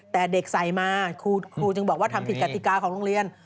แต่เด็กใส่มาครูจึงบอกว่าทำผิดกติกาของโรงเรียน